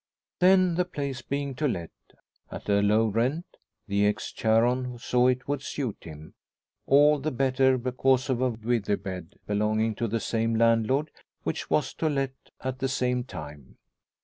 Then, the place being to let, at a low rent, the ex Charon saw it would suit him; all the better because of a "withey bed" belonging to the same landlord, which was to let at the same time.